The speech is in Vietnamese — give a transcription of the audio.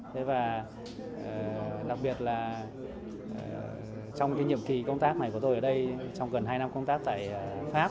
thế và đặc biệt là trong cái nhiệm kỳ công tác này của tôi ở đây trong gần hai năm công tác tại pháp